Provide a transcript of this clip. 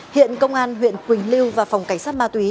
hiện công an huyện quỳnh lưu và phòng cảnh sát ma túy